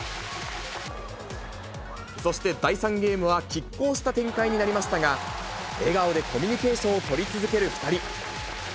そして第３ゲームは、きっ抗した展開になりましたが、笑顔でコミュニケーションを取り続ける２人。